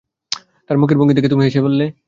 তার মুখের ভঙ্গি দেখে তুমি হেসে ফেললে?